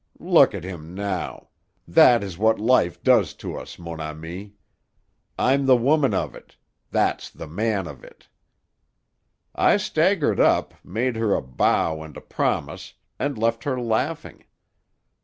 Look at him now! That is what life does to us, mon ami. I'm the woman of it: that's the man of it.' I staggered up, made her a bow and a promise, and left her laughing.